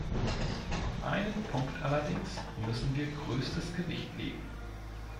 Auf einen Punkt allerdings müssen wir größtes Gewicht legen.